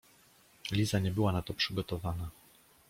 Liza nie była na to przygotowana.